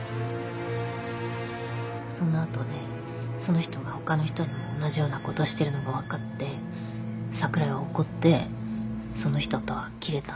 その後でその人が他の人にも同じようなことしてるのが分かって櫻井は怒ってその人とは切れたんです。